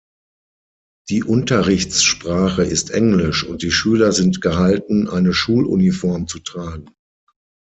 Die Unterrichtssprache ist Englisch, und die Schüler sind gehalten, eine Schuluniform zu tragen.